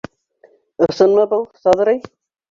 — Ысынмы был, Саҙрый?